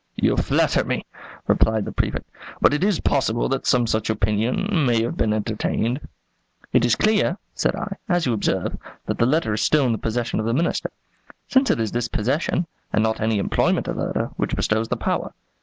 "You flatter me," replied the Prefect; "but it is possible that some such opinion may have been entertained." "It is clear," said I, "as you observe, that the letter is still in the possession of the Minister; since it is this possession, and not any employment of the letter, which bestows the power.